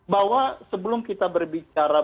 bahwa sebelum kita berbicara